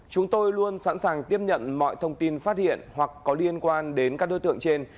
chúng tôi luôn sẵn sàng tiếp nhận mọi thông tin phát hiện hoặc có liên quan đến các đối tượng trên